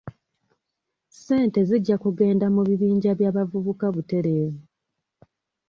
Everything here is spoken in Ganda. Ssente zijja kugenda mu bibinja by'abavubuka butereevu.